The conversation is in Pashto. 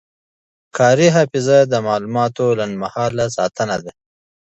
کاري حافظه د معلوماتو لنډمهاله ساتنه ده.